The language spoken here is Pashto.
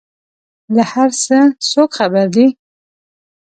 له هر څه څوک خبر دي؟